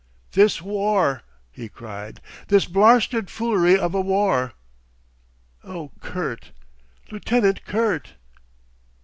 "This war," he cried, "this blarsted foolery of a war. "O Kurt! Lieutenant Kurt!